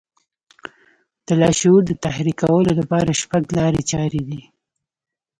د لاشعور د تحريکولو لپاره شپږ لارې چارې دي.